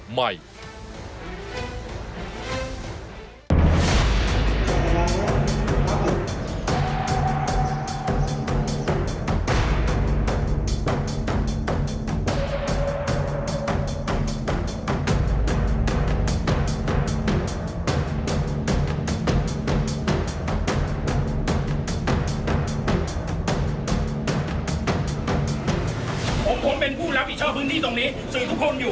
ผมเป็นผู้เป็นผู้รับผิดชอบพื้นที่ตรงนี้สื่อทุกคนอยู่